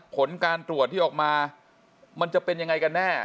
ผลการตรวจที่ออกมามันจะเป็นยังไงกันแน่